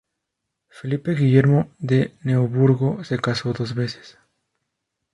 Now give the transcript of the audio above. Felipe Guillermo de Neoburgo se casó dos veces.